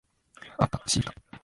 あった。シールだ。